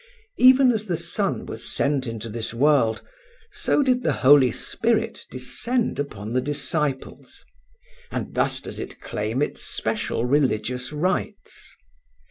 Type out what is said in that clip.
Even as the Son was sent into this world, so did the Holy Spirit descend upon the disciples, and thus does It claim Its special religious rites.